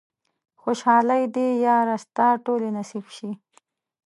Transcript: خوشحالۍ دې ياره ستا ټولې نصيب شي